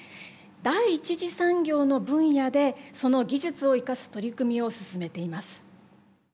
第１次産業の分野でその技術を生かす取り組みを進めています。